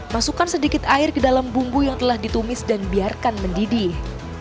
masukkan sedikit air ke dalam bumbu yang telah ditumis dan biarkan mendidih